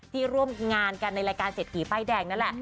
ร่วมงานกันในรายการเศรษฐีป้ายแดงนั่นแหละ